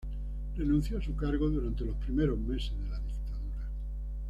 Renunció a su cargo durante los primeros meses de la dictadura.